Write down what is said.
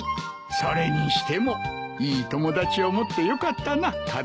それにしてもいい友達を持ってよかったなカツオ。